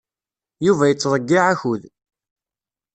Yuba yettḍeyyiɛ akud.